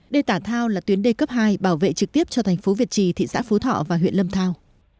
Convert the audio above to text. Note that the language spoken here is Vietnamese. d tả thao là tuyến d cấp hai bảo vệ trực tiếp cho thành phố việt trì thị xã phú thọ và huyện lâm thao